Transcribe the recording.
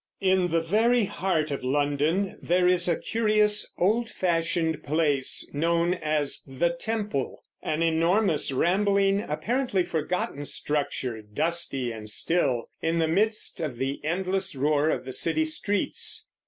In the very heart of London there is a curious, old fashioned place known as the Temple, an enormous, rambling, apparently forgotten structure, dusty and still, in the midst of the endless roar of the city streets.